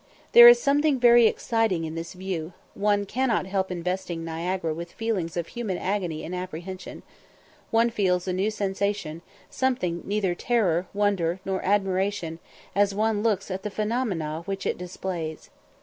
There is something very exciting in this view; one cannot help investing Niagara with feelings of human agony and apprehension; one feels a new sensation, something neither terror, wonder, nor admiration, as one looks at the phenomena which it displays.